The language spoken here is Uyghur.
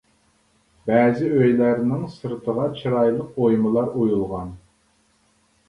بەزى ئۆيلەرنىڭ سىرتىغا چىرايلىق ئويمىلار ئويۇلغان.